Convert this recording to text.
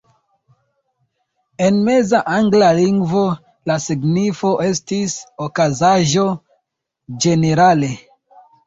En Meza angla lingvo, la signifo estis "okazaĵo" ĝenerale.